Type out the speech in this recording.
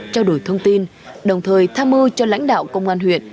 trao đổi thông tin đồng thời tham mưu cho lãnh đạo công an huyện